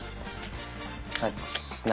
８７。